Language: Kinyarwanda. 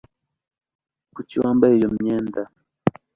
Kuki wambaye iyo myenda